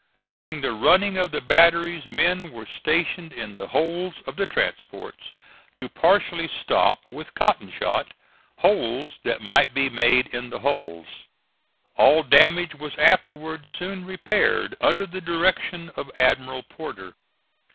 During the running of the batteries men were stationed in the holds of the transports to partially stop with cotton shot holes that might be made in the hulls. All damage was afterwards soon repaired under the direction of Admiral Porter.